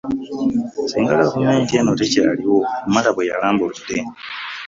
Singa gavumenti eno tekyaliwo.” Omala bwe yalambuludde.